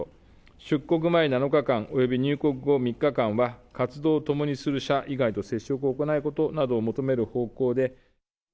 出国前７日間、および入国後３日間は活動を共にする者以外と接触を行わないことなどを求める方向で。